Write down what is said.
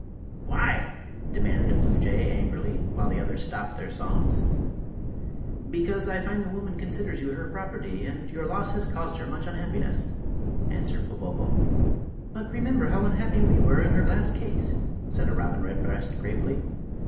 "Why?" demanded a blue jay, angrily, while the others stopped their songs. "Because I find the woman considers you her property, and your loss has caused her much unhappiness," answered Popopo. "But remember how unhappy we were in her glass case," said a robin redbreast, gravely.